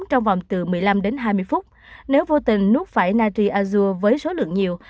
trong vòng từ một mươi năm đến hai mươi phút nếu vô tình nuốt phải natriazur với số lượng nhiều